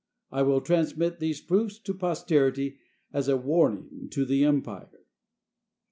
I will transmit these proofs to posterity as a warning to the Empire."